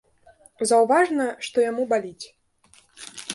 Заўважна, што яму баліць.